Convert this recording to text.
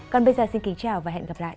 còn bây giờ xin kính chào và hẹn gặp lại